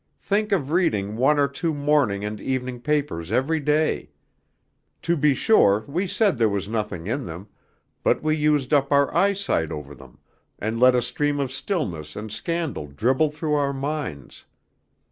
Think of reading one or two morning and evening papers every day. To be sure we said there was nothing in them, but we used up our eyesight over them, and let a stream of silliness and scandal dribble through our minds.